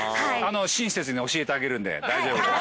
親切に教えてあげるんで大丈夫です。